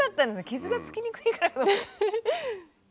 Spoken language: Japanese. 傷がつきにくいからかと。